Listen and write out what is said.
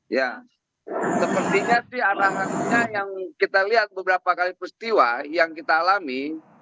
ya sepertinya sih arahannya yang kita lihat beberapa kali peristiwa yang kita alami